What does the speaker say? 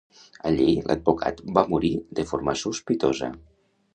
Allí l'advocat va morir de forma sospitosa.